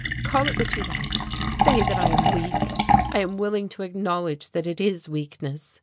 Call it what you like, say that I am weak. I am willing to acknowledge that it is weakness.